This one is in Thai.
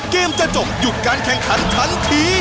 เกมจะจบหยุดการแข่งขันทันที